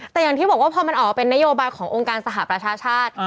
แต่อย่างที่บอกว่าพอมันออกมาเป็นนโยบายขององค์การสหประชาชาติ